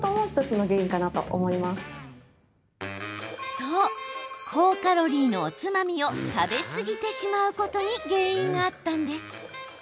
そう、高カロリーのおつまみを食べ過ぎてしまうことに原因があったんです。